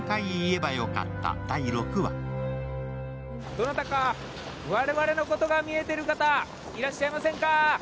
どなたか、我々のことが見えてる方いらっしゃいませんか？